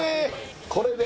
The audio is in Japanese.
これで？